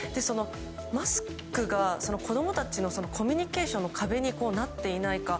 マスクが子供たちのコミュニケーションの壁になっていないか。